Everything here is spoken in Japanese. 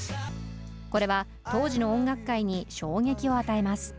これは当時の音楽界に衝撃を与えます。